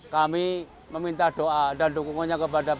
kami meminta doa dan dukungannya kepada